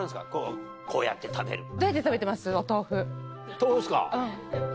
豆腐ですか？